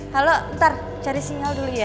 halo ntar cari sinyal dulu ya